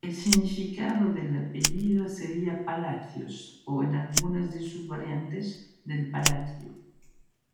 El significado del apellido sería "palacios", o en algunas de sus variantes, "del palacio".